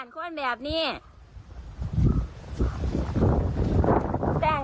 เจ้าบ้านข้นแบบนี้